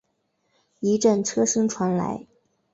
一阵车声传来